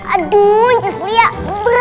aduh berapa aja sih